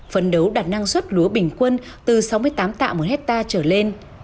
phấn đấu đạt năng suất lúa bình quân từ sáu mươi tám tạ một hectare trở lên